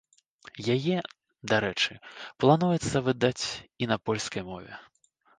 Яе, дарэчы, плануецца выдаць і на польскай мове.